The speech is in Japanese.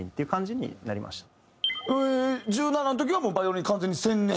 １７の時はもうバイオリン完全に専念？